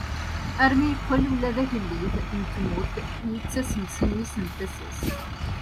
Armi yeqqel ula d agellid n tmurt yettasem si mmi n tasa-s.